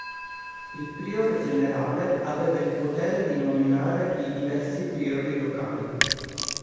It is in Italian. Il Priore Generale aveva il potere di nominare i diversi Priori locali.